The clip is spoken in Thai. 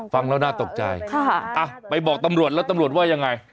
ฟังแล้วน่าตกใจไปบอกตำรวจแล้วตำรวจว่ายังไง